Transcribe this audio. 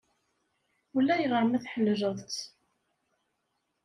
Ulayɣer ma tḥelleleḍ-t.